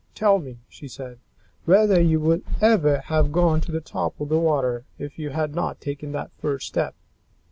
Tell me," she said, "whether you would ever have gone to the top of the water if you had not taken that first step?"